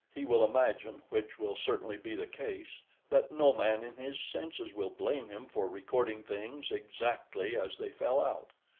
He will imagine (which will certainly be the case) that no man in his senses will blame him for recording things exactly as they fell out.